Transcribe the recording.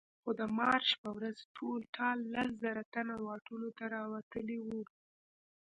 خو د مارش په ورځ ټول ټال لس زره تنه واټونو ته راوتلي وو.